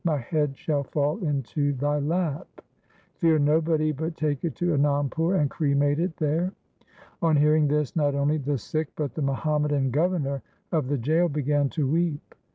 My head shall fall into thy lap. Fear nobody but take it to Anandpur, and cremate it there.' On hearing this not only the Sikh, but the Muhammadan governor of the jail began to weep.